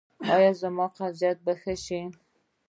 ایا زما قبضیت به ښه شي؟